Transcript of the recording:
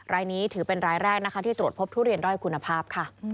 รายนี้ถือเป็นรายแรกนะคะที่ตรวจพบทุเรียนด้อยคุณภาพค่ะ